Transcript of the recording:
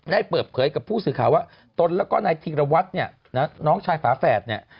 ได้เปิดเผยกับผู้สื่อข่าวว่าตนแล้วก็นายธีรวรรมน้องชายฝาแฝด